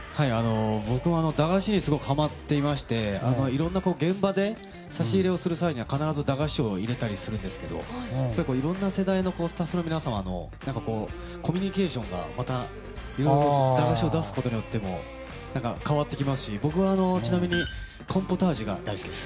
僕も駄菓子にすごいはまっていましていろんな現場で差し入れをする際には駄菓子を入れたりするんですけど結構いろんな世代のスタッフの皆様のコミュニケーションがまたいろいろと駄菓子を出すことによっても変わってきますし僕はちなみに、うまい棒のコーンポタージュが大好きです。